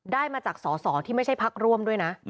ได้มาจากสอสอที่ไม่ใช่พักร่วมด้วยนะ